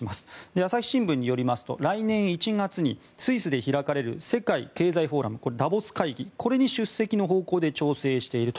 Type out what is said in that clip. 朝日新聞によりますと来年１月にスイスで開かれる世界経済フォーラムダボス会議これに出席の方向で調整していると。